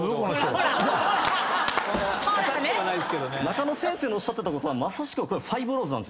中野先生のおっしゃってたことはまさしく。